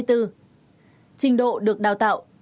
trình độ được đào tạo